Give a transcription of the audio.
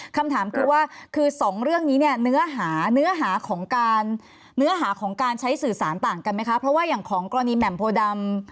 คำถามคือว่าคือสองเรื่องนี้เนื้อหาของการใช้สื่อสารต่างกันไหมครับเพราะว่าอย่างของกรณีแหม่มโพรดำ